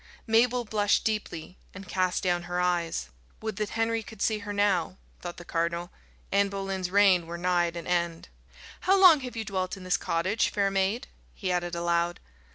Mabel blushed deeply, and cast down her eyes. "Would that Henry could see her now!" thought the cardinal, "Anne Boleyn's reign were nigh at an end. How long have you dwelt in this cottage, fair maid?" he added aloud.